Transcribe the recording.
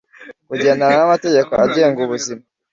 kugendana n’amategeko agenga ubuzima